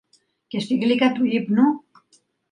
και στη γλύκα του ύπνου